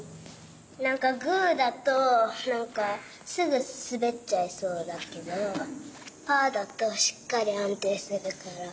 なんかグーだとなんかすぐすべっちゃいそうだけどパーだとしっかりあんていするから。